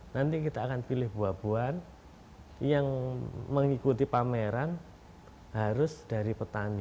nanti kita akan pilih buah buahan yang mengikuti pameran harus dari petani